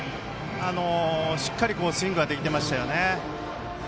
しっかりスイングができてましたよね。